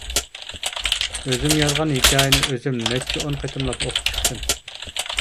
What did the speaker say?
ئۆزۈم يازغان ھېكايىنى ئۆزۈم نەچچە ئون قېتىملاپ ئوقۇپ چىقتىم.